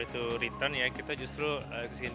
untuk memberikan keuntungan